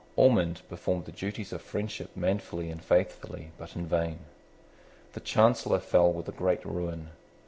Ormond performed the duties of friendship manfully and faithfully, but in vain. The Chancellor fell with a great ruin.